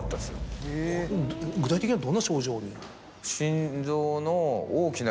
具体的にはどんな症状に？